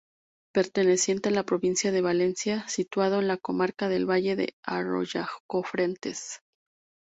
Perteneciente a la provincia de Valencia, situado en la comarca del Valle de Ayora-Cofrentes.